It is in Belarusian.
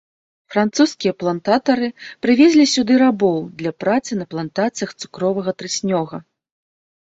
Французскія плантатары прывезлі сюды рабоў, для працы на плантацыях цукровага трыснёга.